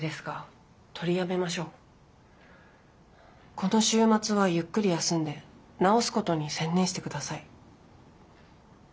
この週末はゆっくり休んで治すことに専念して下さい。